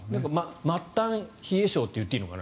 末端冷え性といっていいのかな